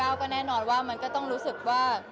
ก็จาก๓๐หรือ๒๙ก็แน่นอนว่ามันก็ต้องรู้สึกว่า